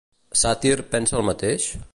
Sàtir pensa el mateix?